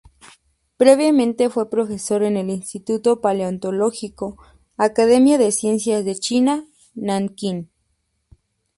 Previamente fue profesor en el Instituto Paleontológico, Academia de Ciencias de China, Nankín.